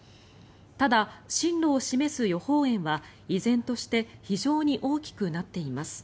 ただ、進路を示す予報円は依然として非常に大きくなっています。